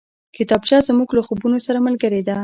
کتابچه زموږ له خوبونو سره ملګرې ده